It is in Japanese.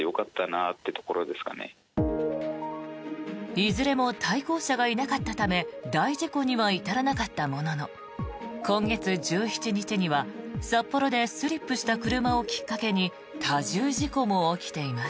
いずれも対向車がいなかったため大事故には至らなかったものの今月１７日には、札幌でスリップした車をきっかけに多重事故も起きています。